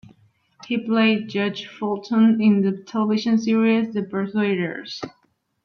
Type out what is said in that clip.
He played Judge Fulton in the television series The Persuaders!